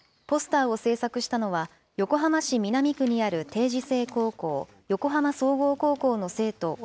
ポスターを制作したのは、横浜市南区にある定時制高校、横浜総合高校の生徒